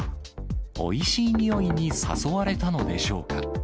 おいしい匂いに誘われたのでしょうか。